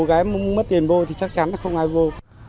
cái mất tiền vô thì chắc chắn là không ai vô